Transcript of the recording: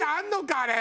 あれ。